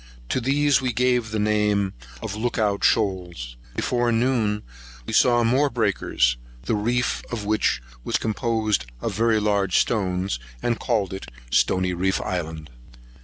To these we gave the name of Look out Shoals. Before noon we saw more breakers, the reef of which was composed of very large stones, and called it Stony reef Island.